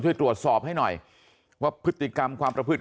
ช่วยตรวจสอบให้หน่อยว่าพฤติกรรมความประพฤติ